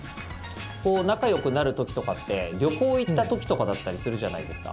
こう仲良くなる時とかって旅行行った時とかだったりするじゃないですか。